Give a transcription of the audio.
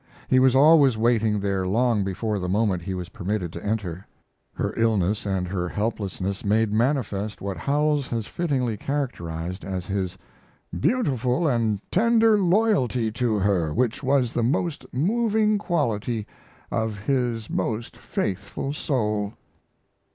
He was always waiting there long before the moment he was permitted to enter. Her illness and her helplessness made manifest what Howells has fittingly characterized as his "beautiful and tender loyalty to her, which was the most moving quality of his most faithful soul."